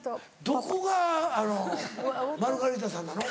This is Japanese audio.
どこがあのマルガリータさんなの？